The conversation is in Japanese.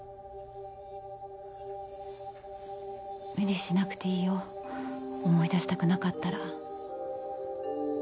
無理しなくていいよ思い出したくなかったら。